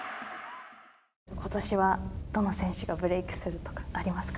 ことしは、どの選手がブレークするとかありますか。